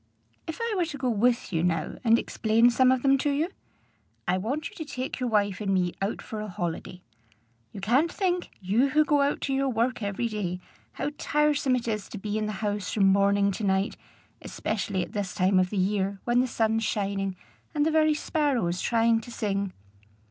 "If I were to go with you, now, and explain some of them to you? I want you to take your wife and me out for a holiday. You can't think, you who go out to your work every day, how tiresome it is to be in the house from morning to night, especially at this time of the year, when the sun's shining, and the very sparrows trying to sing!"